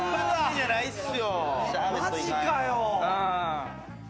マジかよ。